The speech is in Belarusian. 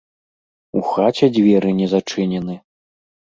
У хаце дзверы не зачынены.